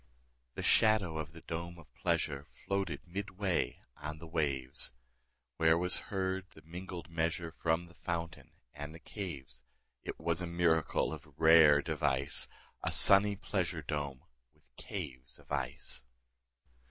30 The shadow of the dome of pleasure Floated midway on the waves; Where was heard the mingled measure From the fountain and the caves. It was a miracle of rare device, 35 A sunny pleasure dome with caves of ice!